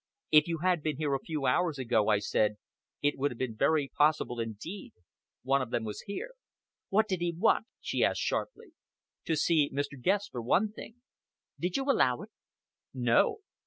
"If you had been here a few hours ago," I said, "it would have been very possible indeed. One of them was here." "What did he want?" she asked sharply. "To see Mr. Guest, for one thing!" "Did you allow it?" "No!